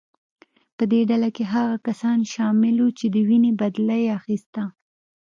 په دې ډله کې هغه کسان شامل وو چې د وینې بدله یې اخیسته.